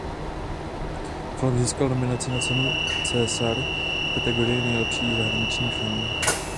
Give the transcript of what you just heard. Film získal nominaci na cenu "César" v kategorii nejlepší zahraniční film.